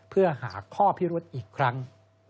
เพื่อหาข้อพิรุธอีกครั้ง